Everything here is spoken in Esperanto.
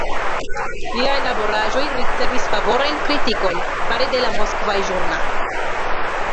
Liaj laboraĵoj ricevis favorajn kritikojn fare de la moskvaj ĵurnaloj.